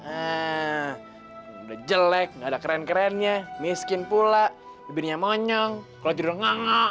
ehm udah jelek gak ada keren kerennya miskin pula bibirnya monyong kalo tidur ngangak